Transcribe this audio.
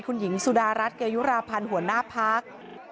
คุณหญิงสุดารัฐเกยุราพันธ์หัวหน้าพัก